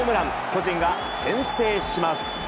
巨人が先制します。